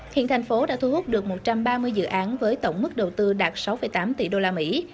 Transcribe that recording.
hiện thành phố đã thu hút được một trăm ba mươi dự án với tổng mức đầu tư đạt sáu tám tỷ đô la mỹ